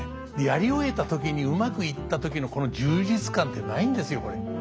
やり終えた時にうまくいった時のこの充実感ってないんですよこれ。